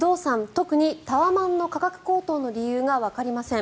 特にタワマンの価格高騰の理由がわかりません。